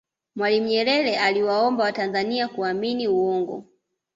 mwalimu nyerere aliwaomba watanzania kuaamini uongo